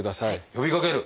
呼びかける。